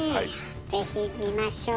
ぜひ見ましょう。